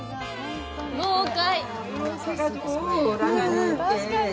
豪快。